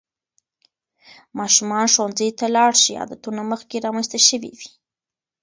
ماشومان ښوونځي ته لاړ شي، عادتونه مخکې رامنځته شوي وي.